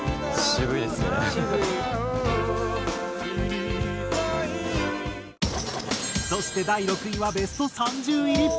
「渋い」そして第６位はベスト３０入り。